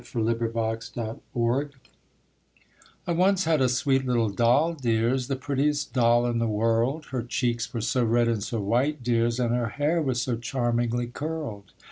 1862 MY LITTLE DOLL I once had a sweet little doll, dears, The prettiest doll in the world; Her cheeks were so red and so white, dears, And her hair was so charmingly curled.